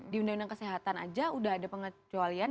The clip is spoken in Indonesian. di undang undang kesehatan aja udah ada pengecualian